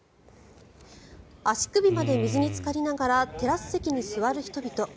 足首まで水につかりながらテラス席に座る人々。